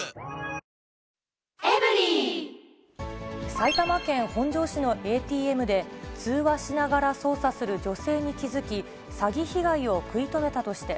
埼玉県本庄市のＡＴＭで、通話しながら操作する女性に気付き、詐欺被害を食い止めたとして、